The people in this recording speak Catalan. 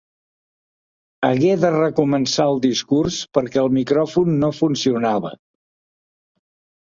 Hagué de recomençar el discurs perquè el micròfon no funcionava.